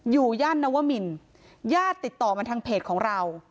ย่านนวมินญาติติดต่อมาทางเพจของเรา